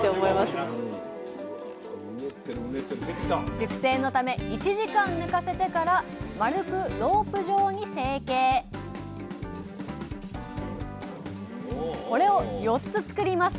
熟成のため１時間寝かせてから丸くロープ状に成形これを４つ作ります。